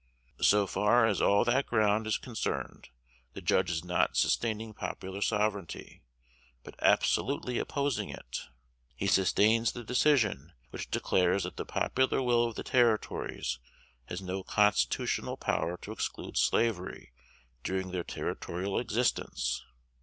So far as all that ground is concerned, the judge is not sustaining popular sovereignty, but absolutely opposing it. He sustains the decision which declares that the popular will of the Territories has no constitutional power to exclude slavery during their territorial existence.